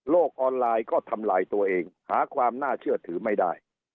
ออนไลน์ก็ทำลายตัวเองหาความน่าเชื่อถือไม่ได้